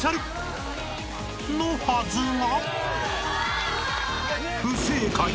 ［のはずが］